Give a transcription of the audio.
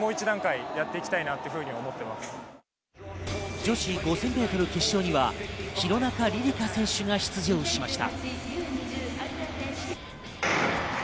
女子５０００ｍ決勝には廣中璃梨佳選手が出場しました。